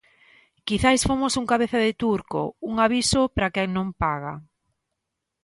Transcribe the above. Quizais fomos un cabeza de turco, un aviso para quen non paga.